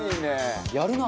「やるなあ」